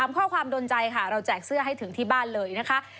ข้อความโดนใจค่ะเราแจกเสื้อให้ถึงที่บ้านเลยนะคะ